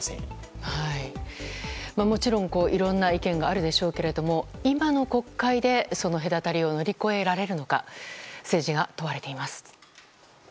いろんな意見があるでしょうけど今の国会で乗り越えられるのか政治が問われています。